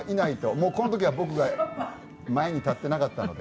もうこの時は僕が前に立ってなかったので。